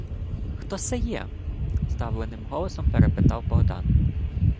— Хто се є? — здавленим голосом перепитав Богдан.